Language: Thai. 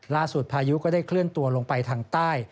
พายุก็ได้เคลื่อนตัวลงไปทางใต้